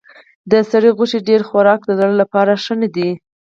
د سرې غوښې ډېر خوراک د زړه لپاره ښه نه دی.